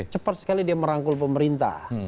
cepat sekali dia merangkul pemerintah